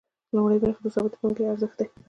لومړۍ برخه د ثابتې پانګې ارزښت دی